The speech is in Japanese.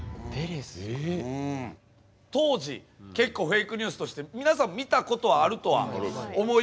当時結構フェイクニュースとして皆さん見たことはあるとは思いますけども。